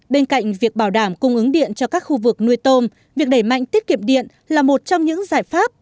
bên cạnh việc bảo đảm cung ứng điện cho các khu vực nuôi tôm việc đẩy mạnh tiết kiệm điện là một trong những giải pháp